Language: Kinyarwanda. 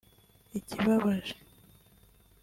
Ikibabaje